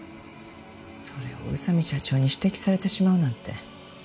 それを宇佐美社長に指摘されてしまうなんて。